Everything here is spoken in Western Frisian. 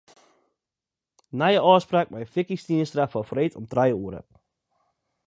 Nije ôfspraak mei Vicky Stienstra foar freed om trije oere.